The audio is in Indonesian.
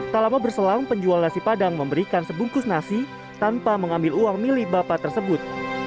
tak lama berselang penjual nasi padang memberikan sebungkus nasi tanpa mengambil uang milik bapak tersebut